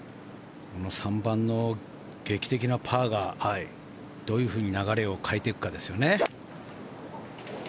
３番の劇的なパーがどういうふうに流れを変えていくかですね。